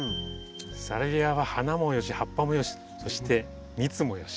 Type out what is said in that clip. サルビアは花もよし葉っぱもよしそして蜜もよし。